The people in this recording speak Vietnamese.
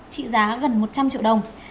trị giá gần một trăm linh triệu đồng